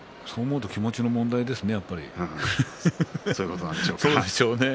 そう思うと気持ちの問題ですね。